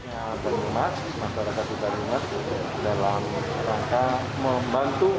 ya penyelamat masyarakat juga penyelamat dalam rangka membantu